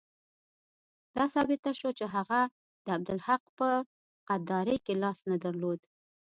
دا ثابته شوه چې هغه د عبدالحق په غداري کې لاس نه درلود.